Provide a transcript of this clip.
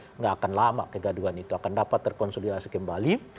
tidak akan lama kegaduhan itu akan dapat terkonsolidasi kembali